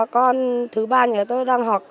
con thứ ba này tôi đang học